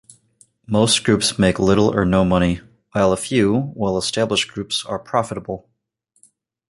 Most groups make little or no money, while a few, well-established groups are profitable.